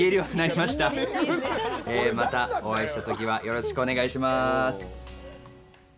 またお会いした時はよろしくお願いします。